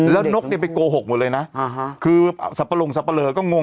แล้วนกเนี่ยไปโกหกหมดเลยนะคือสับปะลงสับปะเลอก็งง